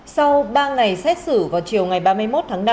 sau ba ngày xét xử vào chiều ngày ba mươi một tháng năm